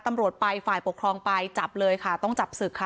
ตำรวจไปฝ่ายปกครองไปจับเลยค่ะต้องจับศึกค่ะ